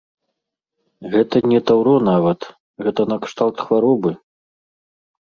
Гэта не таўро нават, гэта накшталт хваробы.